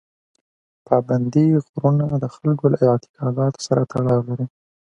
پابندي غرونه د خلکو له اعتقاداتو سره تړاو لري.